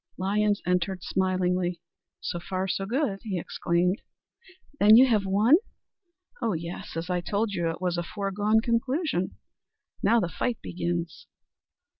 Lyons entered smilingly. "So far so good," he exclaimed. "Then you have won?" "Oh, yes. As I told you, it was a foregone conclusion. Now the fight begins."